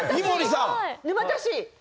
沼田市！